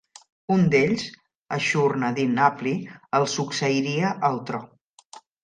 Un d'ells, Ashur-nadin-apli, el succeiria al tro.